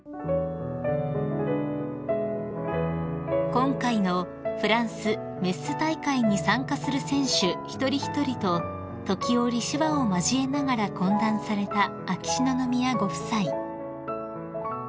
［今回のフランス・メッス大会に参加する選手一人一人と時折手話を交えながら懇談された秋篠宮ご夫妻］